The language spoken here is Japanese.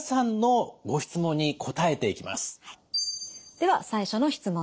では最初の質問です。